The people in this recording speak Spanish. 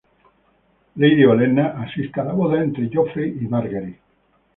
Lady Olenna asiste a la boda entre Joffrey y Margaery.